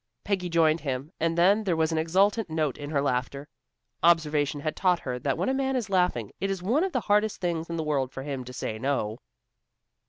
Peggy joined him, and then there was an exultant note in her laughter. Observation had taught her that when a man is laughing, it is one of the hardest things in the world for him to say no.